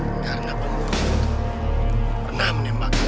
karena penghutup itu pernah menembak kami